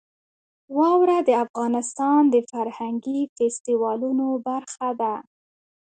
واوره د افغانستان د فرهنګي فستیوالونو برخه ده.